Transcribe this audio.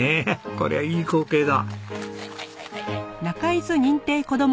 こりゃいい光景だ。